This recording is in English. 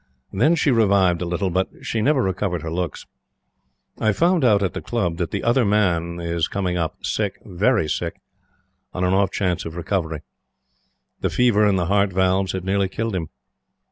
Then she revived a little, but she never recovered her looks. I found out at the Club that the Other Man is coming up sick very sick on an off chance of recovery. The fever and the heart valves had nearly killed him.